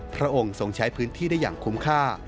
พระองค์ทรงใช้พื้นที่ได้อย่างคุ้มค่า